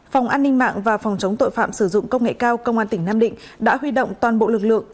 phòng an ninh mạng và phòng chống tội phạm sử dụng công nghệ cao công an tỉnh nam định đã huy động toàn bộ lực lượng